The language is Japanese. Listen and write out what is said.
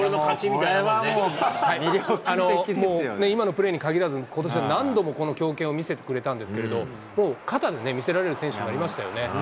これはもう、今のプレーにかぎらず、ことしは何度もこの強肩を見せてくれたんですけど、もう肩で見せられる選手になりましたよね。